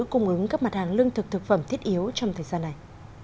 cung ứng các mặt hàng lương thực thực phẩm thiết yếu trong thời gian này